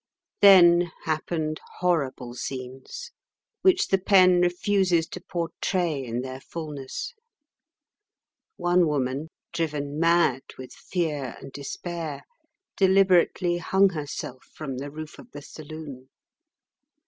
Then happened horrible scenes which the pen refuses to portray in their fulness. One woman, driven mad with fear and despair, deliberately hung herself from the roof of the saloon.